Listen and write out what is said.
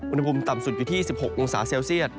อุณหภูมิต่ำสุดอยู่ที่๑๖องศาเซลเซียต